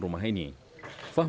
dibawa juga sepatu cat